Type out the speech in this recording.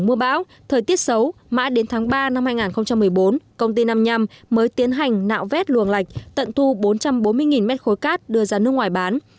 mưa báo thời tiết xấu mãi đến tháng ba năm hai nghìn một mươi bốn công ty năm nhăm mới tiến hành nạo vét luồng lạch tận thu bốn trăm bốn mươi m ba đưa ra nước ngoài bán